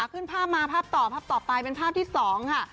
ขึ้นภาพมาภาพต่อภาพต่อไปเป็นภาพที่๒ค่ะ